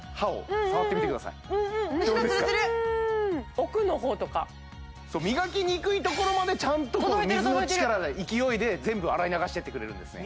奥のほうとかそう磨きにくいところまでちゃんとこの水の力が届いてる届いてる勢いで全部洗い流してってくれるんですね